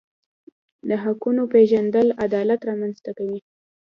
د حقونو پیژندل عدالت رامنځته کوي.